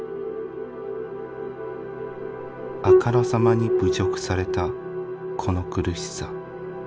「明らさまに侮じょくされたこの苦しさ。